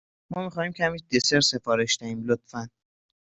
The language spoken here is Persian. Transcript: ما می خواهیم کمی دسر سفارش دهیم، لطفا.